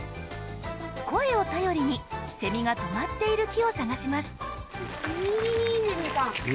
声を頼りにセミが止まっている木を探します。